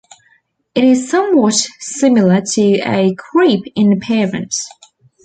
It is somewhat similar to a crepe in appearance.